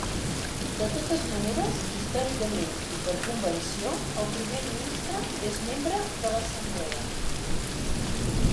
De totes maneres, històricament i per convenció, el primer ministre és membre de l'Assemblea.